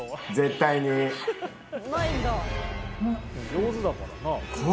上手だからなあ。